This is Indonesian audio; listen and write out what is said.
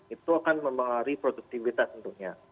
itu akan mempengaruhi produktivitas tentunya